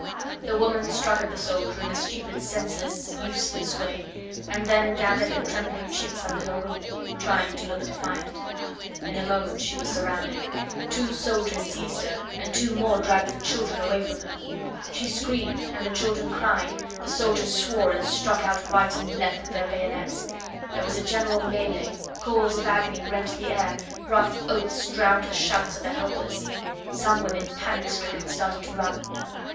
The woman struck at the soldier in a stupid, senseless, useless way, and then gathered her trembling chicks under her wing, trying to look defiant. In a moment she was surrounded. Two soldiers seized her, and two more dragged the children away from her. She screamed and the children cried, the soldiers swore and struck out right and left with their bayonets. There was a general melee, calls of agony rent the air, rough oaths drowned the shouts of the helpless. Some women, panic stricken, started to run.